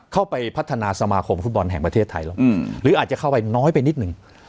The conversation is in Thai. เข้าไปพัฒนาสมาคมฟุตบอลแห่งประเทศไทยลงหรืออาจจะเข้าไปน้อยไปนิดหนึ่ง